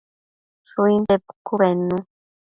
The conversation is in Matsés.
Shuinte pucu bednu